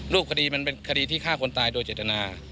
คดีมันเป็นคดีที่ฆ่าคนตายโดยเจตนา